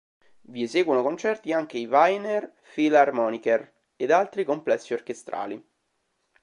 Vi eseguono concerti anche i Wiener Philharmoniker ed altri complessi orchestrali.